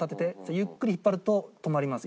ゆっくり引っ張ると止まります。